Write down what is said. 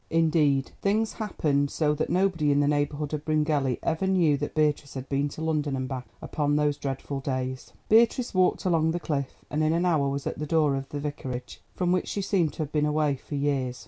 Indeed, things happened so that nobody in the neighbourhood of Bryngelly ever knew that Beatrice had been to London and back upon those dreadful days. Beatrice walked along the cliff, and in an hour was at the door of the Vicarage, from which she seemed to have been away for years.